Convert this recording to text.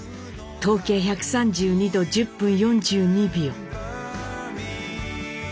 東経１３２度１０分４２秒。